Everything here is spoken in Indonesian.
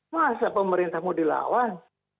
masa pemerintah mau dilawan